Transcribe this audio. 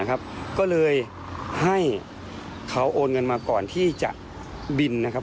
ก็เลยให้เขาโอนเงินมาก่อนที่จะบินนะครับ